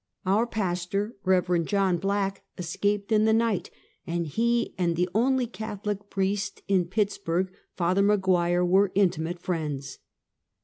Our pastor, Rev. John Black, escaped in the night, and he and the only Catholic priest in Pittsburg, Father McGuire, were intimate friends.